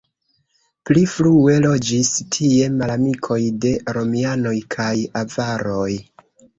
Pli frue loĝis tie malamikoj de romianoj kaj avaroj.